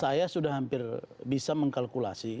saya sudah hampir bisa mengkalkulasi